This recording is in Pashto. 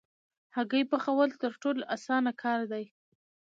هګۍ پخول تر ټولو اسانه کار دی.